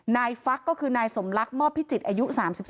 ฟักก็คือนายสมรักมอบพิจิตรอายุ๓๒